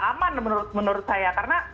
aman menurut saya karena